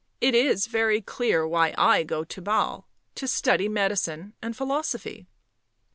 " It is very clear why I go to Basle. To study medicine and philosophy."